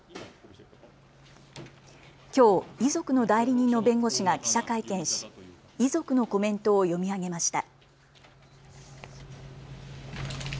きょう遺族の代理人の弁護士が記者会見し、遺族のコメントを読み上げました。